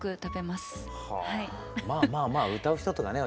まあまあまあ歌う人とかね